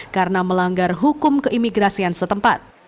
karena melanggar hukum keimigrasian setempat